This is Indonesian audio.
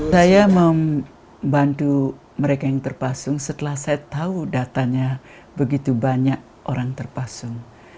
saya membantu mereka yang terpasung setelah saya tahu datanya begitu banyak orang terpasung